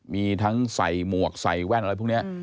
มีทั้งใส่หมวกใส่แว่นอะไรพวกนี้